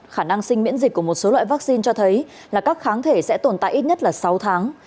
khả năng sinh miễn dịch của một số loại vaccine cho thấy là các kháng thể sẽ tồn tại ít nhất là sáu tháng